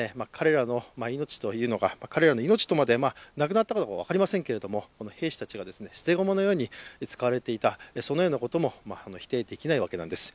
いわば彼らの命までも、亡くなったかどうか分かりませんけれども、兵士たちが捨て駒のように使われていたそのようなことも否定できないわけなんです。